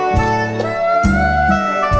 สำหรับคุณอุตส่าห์